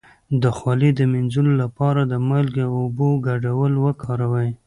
د خولې د مینځلو لپاره د مالګې او اوبو ګډول وکاروئ